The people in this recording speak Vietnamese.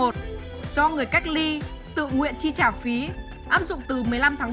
do người cách ly tự nguyện chi trả phí áp dụng từ một mươi năm tháng một mươi một